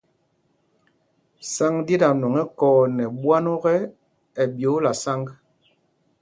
Sǎŋg ɗí ta nwɔŋ ɛkɔɔ nɛ mbwán ɔ́kɛ, ɛ ɓyōōla sǎŋg.